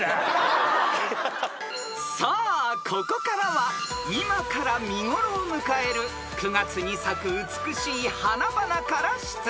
［さあここからは今から見頃を迎える９月に咲く美しい花々から出題］